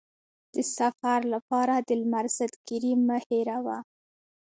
د سفر لپاره د لمر ضد کریم مه هېروه.